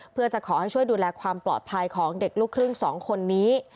เพื่อจะขอให้ช่วยดูแลความปลอดภัยของเด็กลูกครึ่ง๒คนนี้